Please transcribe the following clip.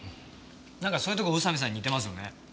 なんかそういうとこ宇佐見さんに似てますよね。